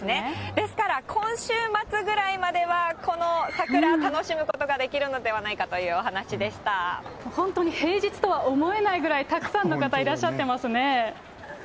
ですから、今週末ぐらいまでは、この桜、楽しむことができるので本当に平日とは思えないぐらい、たくさんの方、いらっしゃってますね。